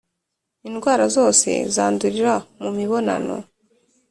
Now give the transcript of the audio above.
Indwara zose zandurira mumibonano .